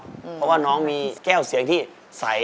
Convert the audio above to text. เพราะว่าน้องมีแก้วเสียงที่ใส